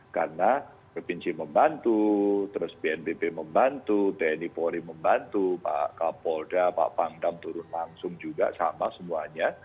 karena bnpb membantu terus bnpb membantu tni polri membantu pak kapolda pak pangdam turun langsung juga sama semuanya